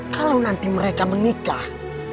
kalau nanti mereka menikah